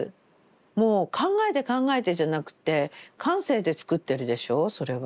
もう考えて考えてじゃなくて感性でつくってるでしょうそれは。